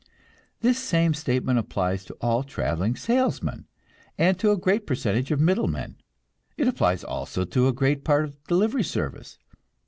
This same statement applies to all traveling salesmen, and to a great percentage of middlemen. It applies also to a great part of delivery service.